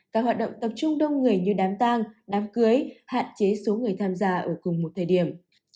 các hoạt động tập trung đông người như đám tang đám cưới hạn chế số người tham gia ở cùng một thời điểm